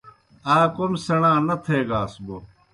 آ کوْم سیْݨا نہ تھیگاس بوْ